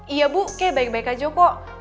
iya bu kayak baik baik aja kok